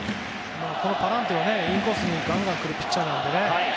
パランテはインコースにガンガンくるピッチャーなので。